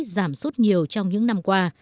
giảm xuất nhiều trong những năm qua